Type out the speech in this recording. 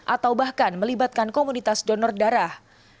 atau bahkan melibatkan komunitas donor darah